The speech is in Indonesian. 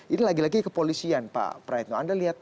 ini lagi lagi kepolisian pak praetno